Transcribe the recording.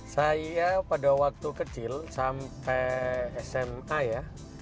saya pada waktu kecil sampai sma ya